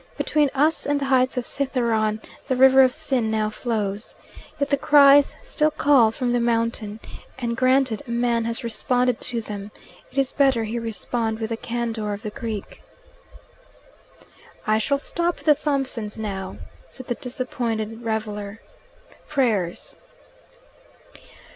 Between us and the heights of Cithaeron the river of sin now flows. Yet the cries still call from the mountain, and granted a man has responded to them, it is better he respond with the candour of the Greek. "I shall stop at the Thompsons' now," said the disappointed reveller. "Prayers."